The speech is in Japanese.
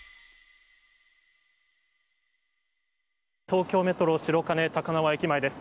東京メトロ白金高輪駅前です。